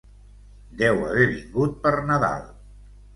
Deu haver vingut per Nadal.